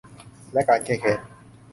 และการแก้แค้น